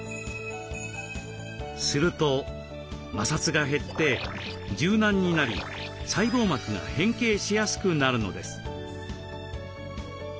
すると摩擦が減って柔軟になり細胞膜が変形しやすくなるのです。